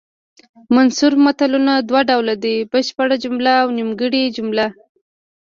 منثور متلونه دوه ډوله دي بشپړه جمله او نیمګړې جمله